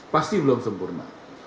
pasti belum sempurna